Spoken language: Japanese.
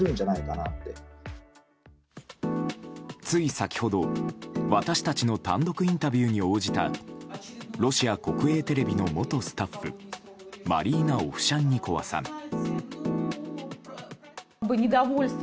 つい先ほど、私たちの単独インタビューに応じたロシア国営テレビの元スタッフマリーナ・オフシャンニコワさん。